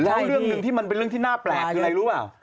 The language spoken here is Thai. แล้วเรื่องหนึ่งที่มันเป็นเรื่องที่น่าแปลกคืออะไรรู้ป่ะ